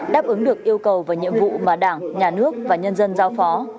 đáp ứng được yêu cầu và nhiệm vụ mà đảng nhà nước và nhân dân giao phó